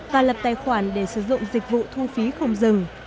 và lập tài khoản để sử dụng dịch vụ thu phí không dừng